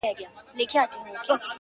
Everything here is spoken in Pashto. ځكه د كلي مشر ژوند د خواركي ورانوي ـ